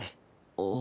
ああ。